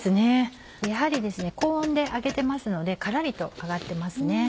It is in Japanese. やはり高温で揚げてますのでカラリと揚がってますね。